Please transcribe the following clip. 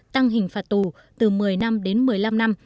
tăng hình phạt tù từ một mươi năm đến một mươi năm năm